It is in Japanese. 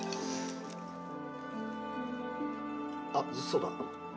あっそうだ。